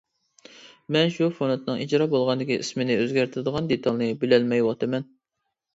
مەن شۇ فونتنىڭ ئىجرا بولغاندىكى ئىسمىنى ئۆزگەرتىدىغان دېتالنى بىلەلمەيۋاتىمەن.